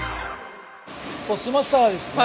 そうしましたらですね